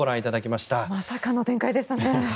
まさかの展開でしたね。